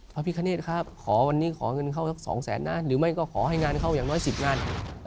พระพิคเนธครับขอวันนี้ขอเงินเข้าสักสองแสนนะหรือไม่ก็ขอให้งานเข้าอย่างน้อย๑๐งาน